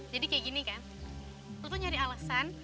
jadi kayak gini kan lo tuh nyari alasan